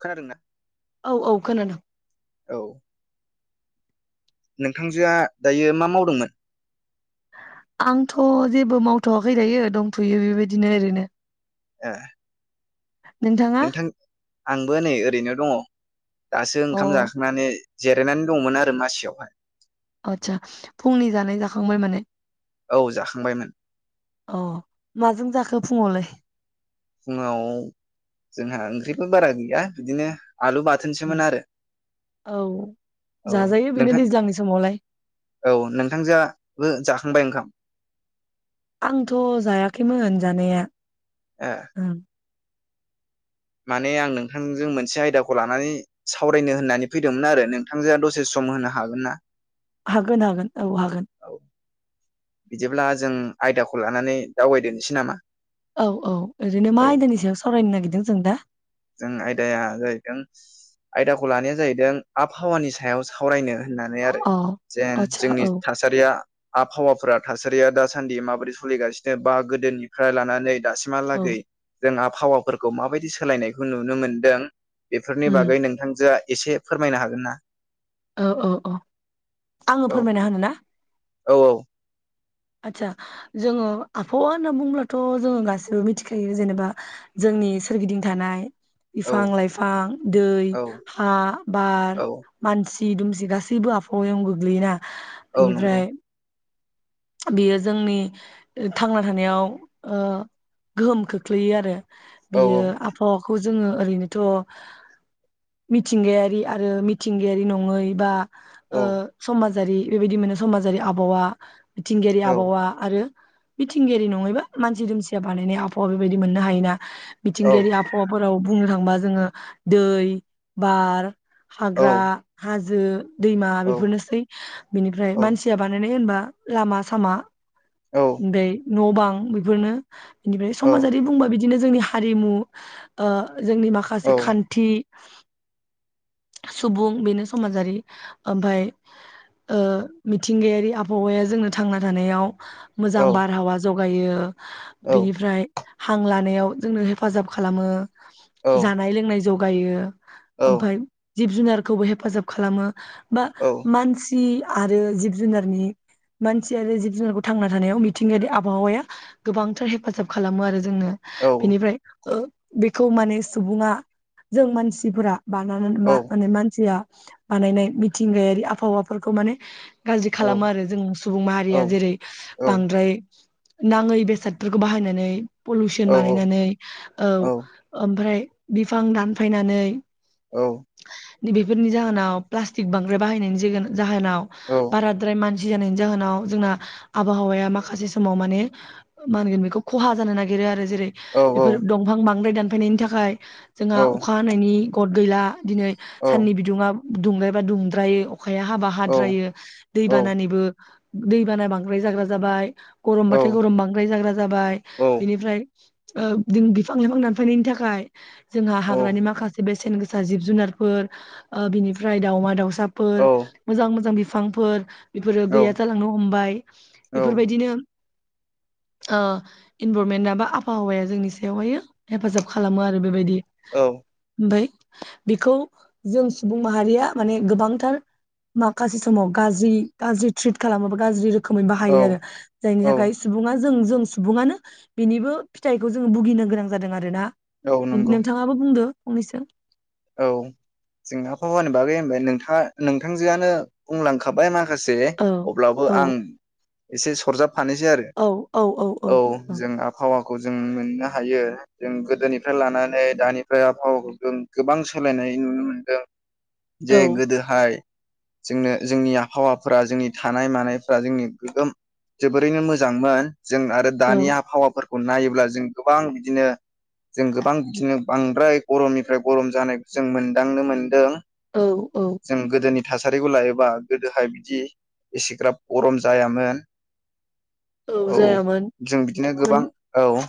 खोनादों ना? औ औ खोनादों। औ नोंथांजोआ दायो मा मावदोंमोन? आंथ' जेबो मावथ'वाखै दायो दंथ'यो बेबायदिनो ओरैनो। ए नोंथाङा? नोंथां आंबो नै ओरैनो दङ। दासो अ ओंखाम जाखांनानै जिरायनानै दंमोन आरो मासियावहाय। आतसा फुंनि जानाय जाखांबाय माने? औ जाखांबायमोन। अ माजों जाखो फुङावलाय? फुङाव जोंहा ओंख्रिबो बारा गैया बिदिनो आलु बाथोनसोमोन आरो औ औ जाजायो बेनो नोंथां दैज्लांनि समावलाय औ नोंथांजोआ-बो जाख खांबाय ओंखाम? आंथ' जायाखैमोन जानाया। ओ ओं माने आं नोंथांजों मोनसे आयदाखौ लानानै सावरायनो होननानै फैदोंमोन आरो नोंथांजोंआ दसे सम होनो हागोन ना? हागोन-हागोन औ हागोन। औ बिदिब्ला जों आयदाखौ लानानै दावबायदोनिसै नामा? औ-औ ओरैनो औ मा आयदानि सायाव सावरायनो नागिरदों जों दा? जों आयदाया जाहैदों आयदाखौ लानाया जाहैदों आबहावानि सायाव सावरायनो होननानै आरो अ जेन आदसा जोंनि औ थासारिया आबहावाफोरा थासारिया दासान्दि माबोरै सलिगासिनो बा गोदोनिफ्राय लानानै औ दासिमहालागै जोंहा हावाफोरखौ माबायदि सोलायनाय नुनो मोनदों। बेफोरनि उम बागै नोंथांजोंआ एसे फोरमायनो हागोन ना? औ-औ-औ आङो फोरमायना होनो ना? औ-औ। आदसा जोङो आबहावा होनना बुंब्लाथ' जोङो गासिबो मिथिखायो जेनेबा जोंनि सोरगिदिं थानाय औ बिफां लाइफां दै औ हा बार औ मानसि सि दुमसि गासैबो आबहावायाव गोग्लैयोना। औ नंगौ बेनिफ्राय बेयो जोंनि थांना थानायाव ओ गोहोम खोख्लैयो आरो। औ बियो आबहावाखौ ज जोङो ओरैनोथ' मिथिंगायारि आरो मिथिंगायारि नङै बा औ ओह समाज जारि बेबायदि मोनो समाजारि आबहावा मिथिंगायारि औ आबहावा आरो मिथिंगायारि नङै बा मानसि दुमसिया बानायनाय आबहावा बेबायदि मोननो हायोना। मिथिंगायारि आबहावाफोराव बुंनो था बा जोङो दै, बार, औ हाग्रा, हाज जो । दैमा औ बेफोरनोसै बिनिफ्राय औ मानसिया बानायनाय होनबा लामा सामा दै न' बां बेफोरनो । इनिफ्राय औ समाजारि बुंबा बिदि बिदिनो जोंनि हारिमु ओह जोंनि औ माखासे खान्थि‌ सुबुं बेनो समाजारि ओमफाय ओह मिथिंगायारि आबहावाया जोंनो थांना थानायाव औ मोजां बारहावा ज गायो बिनिफ्राय हां लानायाव जोंनो हेफाजाब खालामो‌‌ जानाय लोंनाय जौ गायो ओमफाय जिब जुनारखौबो हेफाजाब खालामो बा मानसि आरो जिब जुनारनि मानसि आरो जिब जुनारखौ थांना थानायाव मिथिंगायारि आबहावाया गोबांथार हेफाजाब खालामो आरो जोंनो बेनिफ्राय ओ बेखौ माने सुबुङा जों मानसिफोरा बानाननानै औ बा माने मानसिया बानायनाय मिथिंगायारि आबहावाफोरखौ माने गाज्रि औ औ खालामो आरो जों सुबुं औ माहारिया जेरै औ बांद्राय नाङै बेसादफोरखौ बाहायनानै औ पलुसन बानायनानै औ ओमफ्राय बिफां दानफायनानै औ । दि बेफोरनि जाहोनाव प्लास्टिक बांद्राय बाहायनायनि जा जाहोनाव औ बाराद्राय मान सि जानायनि जाहोनाव जोंना आबहावाया माखासे समाव माने मा होनगोन बेखौ खहा जानो नागिरो आरो । जेरै औ बेफोर दंफां बांद्राय दान फैनायनि थाखाय जोंहा औ अखा हानायनि गट गैला दिनै साननि बिदुङा दुंद्रायबा दुंद्रायो अखाया हाबा हाद्रायो दैबानानिबो दैबाना बांद्राय जाग्रा जाबाय गरमबाथाय गरम बांद्राय जाग्रा जाबाय बिनिफ्राय ओ जों बिफां-लाइफां दानफायनायनि थाखाय जोंहा हाग्रानि माखासे बेस सेन गोसा जिब जुनारफोर ओ बिनिफ्राय दाउमा-दाउ साफोर मोजां मोजां बि फांफोर बेफोरो गैया लांनो हमबाय बेफोरबायदिनो ओ इनभरमेन्टआ बा आबहावाया जोंनि सायावहाय हेफाजाब खालामो आरो बेबायदि औ ओमफ्राय बेखौ जों सुबुं माहारिया माने गोबांथार माखासे समाव गाज्रि गाज्रि ट्रिट खालामोबा गाज्रि रो रोखोमै औ बाहायो आरो जायनि थाखाय सुबुङा जों जों सुबुङानो बेनिबो फिथाइखौ जों भुगिनो गोनां जादों आरोना। औ नंगौ नोंथाङाबो बुंदो फंनैसो औ जों आबफावानि बागै होनबाय नोंथाङा नोंथांजोआनो बुंलांखाबाय मा माखासे औ अब्लाबो औ आं एसे सरजाब फानोसै आरो औ जों आबहावा खौ जों मोननो हायो जों गोदोनिफ्राय लानानै दानिफ्राय आबहावाखौ दोन गोबां सोलायनाय नुनो मोनदों। जे गोदोहाय जोंनो जोंनि आबहावाफोरा जोंनि थानाय मानायफ्रा जोंनि गोगोम जोबोरैनो मोजांमोन। जों आरो औ दानि आबहावाफोर खौ नायोब्ला जों गोबां बिदिनो जों गोबां बिदिनो बांद्राय गरमनिफ्राय गरम जानायखौ जों मोनदांनो मोनदों। औ औ जों गोदोनि थासारिखौ लायोबा गोदोहाय बिदि एसेग्राब गरम जायामोन। औ जों बिदिनो मोन गोबां औ।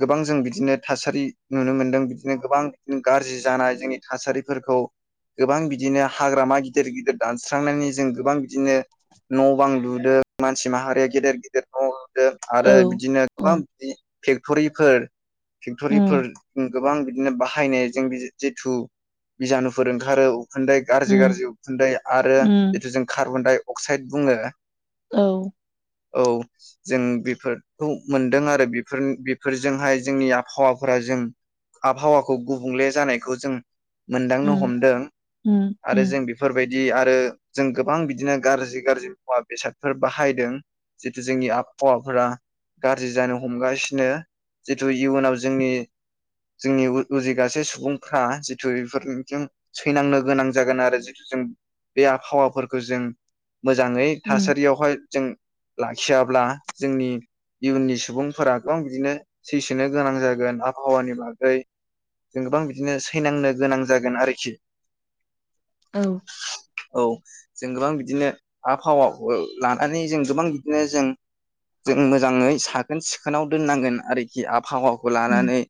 गोबां जों बिदिनो थासारि नुनो मोनदों बि बिदि गोबां बिदि गाज्रि जानाय जोंनि थासारिफोरखौ गोबां बिदिनो हाग्रामा गिदिर गिदिर दानस्रांनानै जों गोबां बिदिनो न' बां लुदों मानसि माहारिया गेदेर गेदेर न' औ आरो बिदिनो उम गोबां बिदि फेक्ट'रिफोर फेक्ट'रिफोर। उम गोबां बिदिनो बाहायनायजों जिथु बिजानुफोर ओंखारो उखुन्दै गाज्रि उम गाज्रि उखुन्दै आरो उम जिथु जों कार्बन डाइ अक्साइड बुङो औ औ जों बेफोरखौ मोनदों आरो बेफोर बेफोरजोंहाय जोंनि आबहावाफोरा जों आबहावाखौ गुबुंले जानायखौ जों मोनदांनो उम हमदों उम आरो उम जों बेफोर बायदि बिदि आरो जों गोबां बिदिनो गाज्रि गाज्रि मुवा बेसादफोर बाहायदों जितु जोंनि आबहावाफोरा गाज्रि जानो हमगासिनो जितु इयुनाव जोंनि जोंनि उजिगासे सुबुंफ्रा जिथु बेफोरनिजों सैनांनो गोनां जागोन आरो जिथु जों बे आबहावाफोरखौ जों मोजाङै उम थासारियावहाय जों लाखियाब्ला जोंनि इयुननि सुबुंफोरा गोबां बिदिनो सैसोनो गोनां जागोन आबहावानि बागै। जों गोबां बिदिनो सैनांनो गोनां जागोन आरोखि। औ औ जों गोबां बिदिनो आबहावा लानानै जों गोबां बिदिनो जों जों मोजाङै साखोन सिखोन खोनाव दोननांगोन आरोखि आबहावाखौ उम लानानै।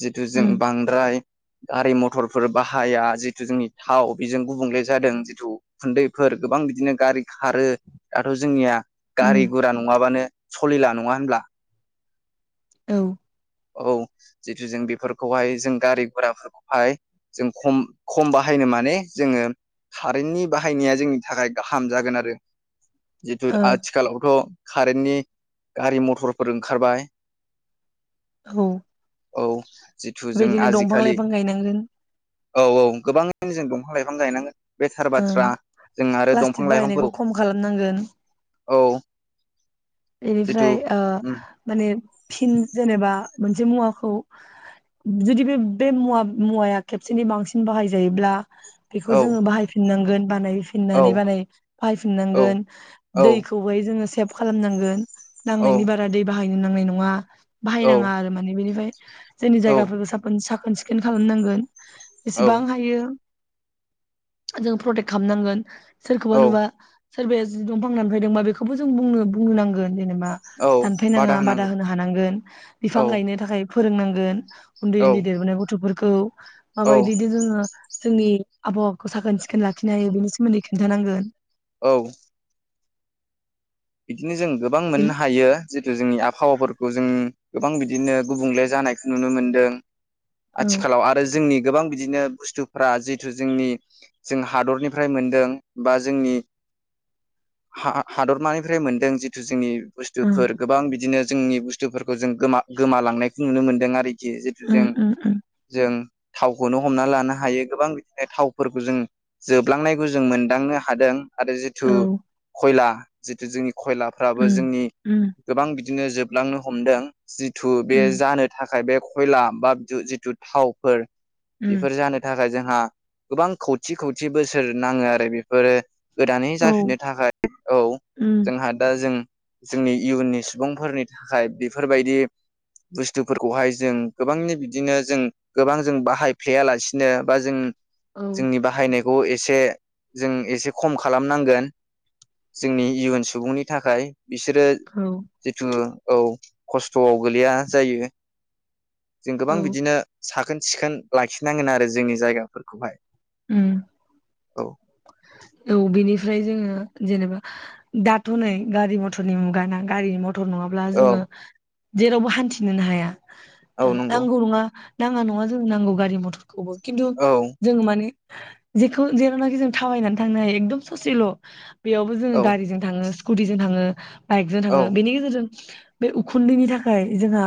जिथु जों उम बांद्राय गारि मथरफोर बाहाया जिथु जोंनि थाव बेजों गुबुंले जादों जिथु उखुन्दैफोर गोबां बिदिनो गारि खारो दाथ' जोंनिया गारि गुरा नङाबानो सलिला नङा होनब्ला? औ औ जितु जों बेफोरखौहाय जों गारि गराफोरखौहाय जों खम खम बाहायनो माने जोङो कारेन्टनि बाहायनाया जोंनि थाखाय गाहाम जागोन आरो। जिथु औ आथिखालावथ' कारेन्टनि गारि मथरफोर ओंखारबाय। औ जिथु जों बेबायदिनो दंफां आजिखालि लाइफां गायनांगोन औ औ गोबाङैनो जों दं। बिफां लाइफां गायनांगोन। बे थार ओ बाथ्रा जों आरो प्लास्टिक दंफां लाइफांखौ बाहायनायखौ खम खालामनांगोन औ जिथु बेनिफ्राय ओ उम माने फिन जेनेबा। मोनसे मुवाखौ जुदि बे बे मुवा मुवाया खेबसेनि बांसिन बाहायजायोब्ला। बेखौ औ जोङो बाहायफिननांगोन औ बानायफिननानै बानाय औ बाहायफिननांगोन औ दैखौहाय जोङो सेफ खालामनांगो गोन। औ नांनायनि बारा दैबाहा बाहायनो नांनाय नङा। औ बाहायनाङा आरो माने बेनिफ्राय जोंनि औ जायगाफोरखौ साफोन साखो साखोन सिखोन खालामनांगोन। औ बेसेबां हायो। जों प्रटेक्ट खालामनांगोन। सोरखौबा औ नुबा। सोरबाया जि दंफां दानफायदोंबा बेखौबो जोंनो बुंनो बुंनो नांगो गोन जेनेब बा औ दानफायनाङा बादा होनांगोन होनो हानांगोन बिफां औ गायनो थाखाय। फोरोंनांगोन। उन्दै औ उन्दै देरबोनाय गथफोर खौ। औ माबायदिदि जोङो जोंनि आबहावाखौ साखोन सिखोन लाखिनो हायो बेनि सोमोन्दै खिन्थानांगोन। औ। बिदिनो जों गोबां मोननो बेनि हायो। जितु जोंनि आबहावाफोरखौ जों गोबां बिदिनो गुबुंले जानायखौ नुनो मोनदों। औ आथिखालाव आरो जोंनि गोबां बिदिनो बुस्थुफ्रा जिहथु जोंनि जों हादरनिफ्राय मोनदों बा जोंनि हा आ हादरमानि फ्रि मोनदों जिथु जोंनि ओं बुस्थुफोर गोबां बिदिनो जोंनि बुस्थुफोरखौ जों गोमा गोमालांनायखौ नुनो मोनदों आरि। गियो जितु उम जों उम उम जों थावखौनो हमना लानो हायो गोबां बिदिनो थावफोरखौ जों जोबलांनायखौ जों मोनदांनो हादों। आरो जिथु औ खयला। जिथु जोंनि खयलाफ्राबो उम जोंनि उम गोबां बिदिनो जोब। लांनो हमदों जिथु बे उम जानो थाखाय बे खयला बा जिथु थावफोर उम बेफोर जानो थाखाय जों जोंहा गोबां खौथि खौथि बोसोर नाङो आरो बेफोरो गोदानै औ जाफिननो थाखाय औ। उम जोंहा दा जों। जोंनि इयुननि सुबुंफोरनि थाखाय बेफोरबायदि बुस्थुफोरखौहाय जों गोबांनि बिदिनो जों गोबां जों बाहायफ्लेायालासिनो बा जों औ जोंनि बाहायनाय ग एसे जों एसे खम खालामनांगोन जोंनि सुबुंनि थाखाय बिसोरो औ जिथु औ खस्थ'आव गोलैया जायो। जों गोबां औ बिदिनो साखोन सिखोन लाखिनांगोन आरो जोंनि जायगाफोरखौहाय। उम। औ औ बेनिफ्राय जोङो जेनेबा दाथ' नै गारि मथरनि मुगा ना गारि मथ टर नङाब्ला औ जोङो जेरावबो हान्थिनोनो हाया। औ ओ नंगौ दांगुरङा नाङा नङा जों नांगौ गारि मथरखौबो। खिन्थु औ जोंङो माने जेखौ जेरावनाखि जों थाबायनानै थांनो हायो एकदम ससेल' बेयावबो जोङो औ गारिजों थाङो स्कुटिजों थाङो बाइकजों औ थाङो बेनि गेजेरजों बे उखुन्दैनि थाखाय जोंहा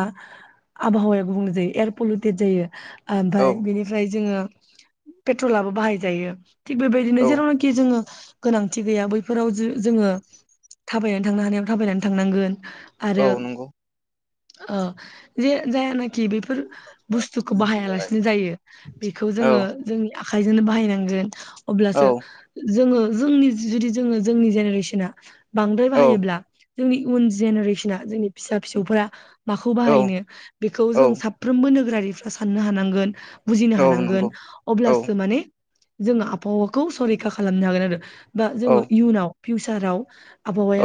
आबहावाया गुबुं जायो एयार पलुटेट जायो। ओमफाय औ बिनिफ्राय जोङो बे पेट्रलाबो बाहायजायो थिग बेबायदिनो औ जेरावनाखि जोङो गोनांथि गैया बैफोराव जो जोङो थाबायनानै थांनो हानायाव थाबायनानै थांनांगोन। औ नंगौ अ जे जायानो कि बेफोर बुस्थुखौ उम बाहायालासिनो जायो बेखौ जोङो औ जों आखायजोंनो बाहायनांगोन अब्लासो जोङो जोंनि जुदि जोङो जोंनि जेनेरेसना बांद्राय औ बाहायोब्ला जोंनि उन जेनेरेसना जोंनि फिसा फिसौफोरा माखौ औ बाहायनो बेखौ औ जों साफ्रोमबो नो गोरारिफ्रा साननो हानांगोन बुजिनो औ हानांगोन नंगौ औ अब्लासो माने जोङो आबहावाखौ संरैखा खालामनो हागोन आरो बा औ जोङो इयुनाव फिउचाराव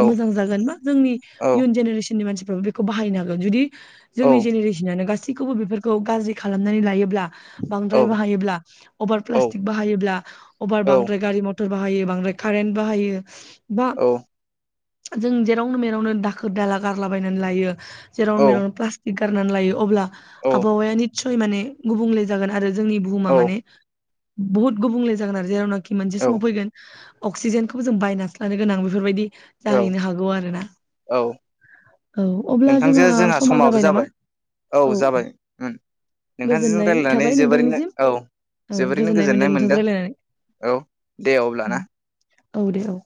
औ मोजां जागोन बा जोंनि औ इयुन जेनेरेसननि मानसि बेखौ बाहायनो हागोन जुदि औ जोंनि जेनेरेसनानो गासै खौबो बेफोरखौ गाज्रि खालामनानै लायोब्ला औ बांद्राय बाहायोब्ला अभार प्लास्टिक बाहायोब्ला अभार औ बांद्राय गारि म टर बाहायो बांद्राय कारेन्ट बाहायो बा जों जेरावनो मेरावनो दाखोर दाला गारलाबायनानै लायो। जेराव मेरावनो प्लास्टिक गारनानै लायो अब्ला औ आबहावाया निस्सय माने गुबुंले जागोन आरो जोंनि बुहुमा माने बहुत गुबुंले जागोन आरो जेरावनो खि मोनसे समाव औ फैगोन अक्सिजेनखौबो जों बायनासो लानो गोनां बेफोरबायदि औ जाहैनो हागौ आरोना औ अब्ला जोंहा समा जाबाय नामा औ औ जाबाय उम नोंथांजों गोजोननाय रायलायनानै थाबाय जोबोरैनो नोंथांनिसिम औ औ गोजोननाय मोनदों नोंथांजों राय्लायनानै औ दे अब्ला ना औ दे औ